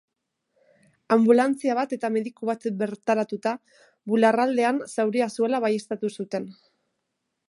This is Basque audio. Anbulantzia bat eta mediku bat bertaratuta, bularraldean zauria zuela baieztatu zuten.